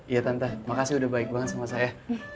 iya tante makasih udah baik banget sama saya